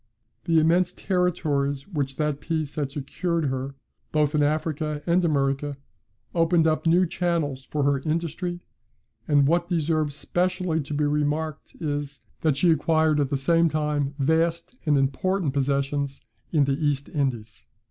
The immense territories which that peace had secured her, both in Africa and America, opened up new channels for her industry: and what deserves specially to be remarked is, that she acquired at the same time vast and important possessions in the East Indies."